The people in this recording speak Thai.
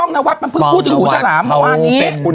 มันไม่มี